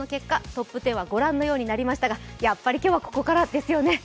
トップ１０はこのようになりましたが、やっぱり今日はここからですよね。